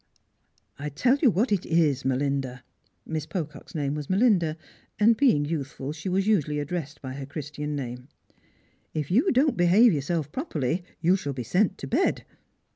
" I tell you what it is, Melinda" — Miss Pocock's name wag ]\Ielinda, and. being youthful she was usuiilly addressed by her Christian name —" if you don't behave yourself properly, you shall be sent to bed.